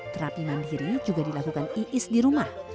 terapi mandiri juga dilakukan iis di rumah